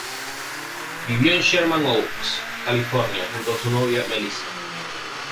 Vivió en Sherman Oaks, California, junto a su novia, Melissa.